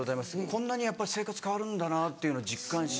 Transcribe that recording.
こんなにやっぱ生活変わるんだなっていうの実感。